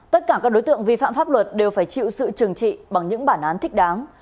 tất cả các đối tượng vi phạm pháp luật đều phải chịu sự trừng trị bằng những bản án thích đáng